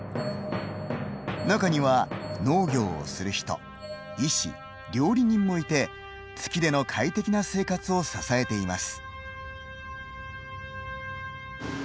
中には農業をする人医師料理人もいて月での快適な生活を支えています。